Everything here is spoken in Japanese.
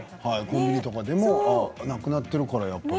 コンビニとかでもなくなっているとね。